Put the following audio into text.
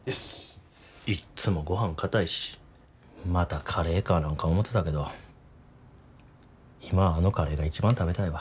いっつもごはんかたいしまたカレーかなんか思てたけど今あのカレーが一番食べたいわ。